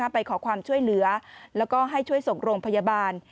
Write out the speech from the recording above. ไปขอความช่วยเหลือแล้วก็ให้ช่วยส่งโรงพยาบาล